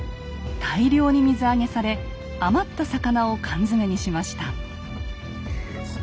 大量に水揚げされ余った魚を缶詰にしました。